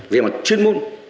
về mặt chuyên môn